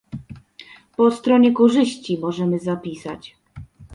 Po stronie korzyści możemy zapisać